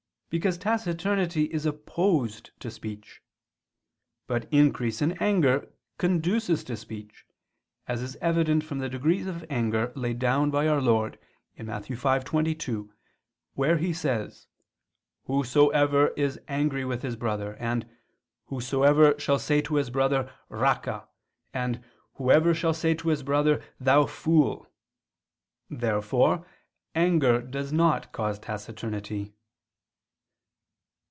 Because taciturnity is opposed to speech. But increase in anger conduces to speech; as is evident from the degrees of anger laid down by Our Lord (Matt. 5:22): where He says: "Whosoever is angry with his brother"; and "... whosoever shall say to his brother, 'Raca'"; and "... whosoever shall say to his brother, 'Thou fool.'" Therefore anger does not cause taciturnity.